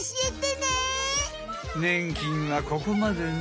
ねん菌はここまでね。